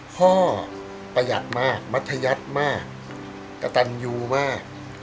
พ่อประหยัดมากมัธยัติมากกระตันยูมาก